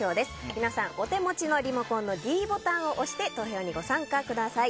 皆さん、お手持ちのリモコンのｄボタンを押して投票にご参加ください。